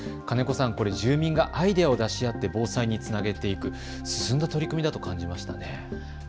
金子さん、これ住民がアイデアを出し合って防災につなげていく、進んだ取り組みだと感じましたね。